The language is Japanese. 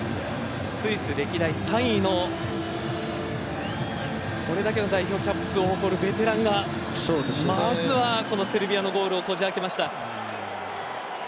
スイス歴代３位のこれだけの代表キャップ数を誇るベテランがまずはセルビアのゴールをこじあけました。